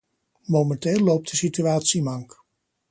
Momenteel loopt de situatie mank.